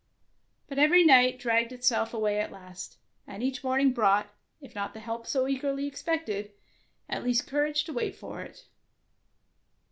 But every night dragged itself away at last, and each morning brought, if not the help so eagerly expected, at least courage to wait for it.